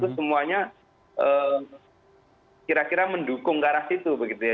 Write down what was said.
semuanya kira kira mendukung ke arah situ begitu ya